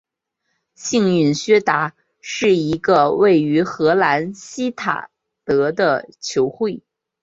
幸运薛达是一个位于荷兰锡塔德的球会。